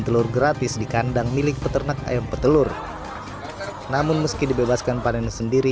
telur gratis di kandang milik peternak ayam petelur namun meski dibebaskan panen sendiri